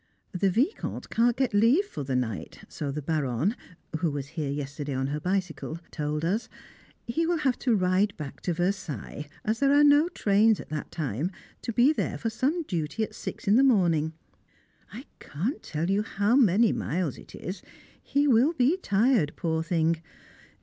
The Vicomte can't get leave for the night, so the Baronne who was here yesterday on her bicycle told us. He will have to ride back to Versailles, as there are no trains at that time, to be there for some duty at six in the morning. I can't tell you how many miles it is; he will be tired, poor thing.